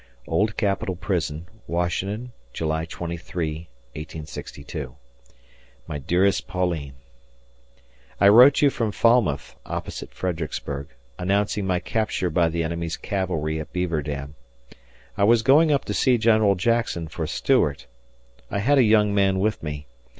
Old Capitol Prison, Washington, July 23, '62. My dearest Pauline: I wrote you from Falmouth [opposite Fredericksburg], announcing my capture by the enemy's cavalry at Beaver Dam. I was going up to see General Jackson for Stuart. I had a young man with me.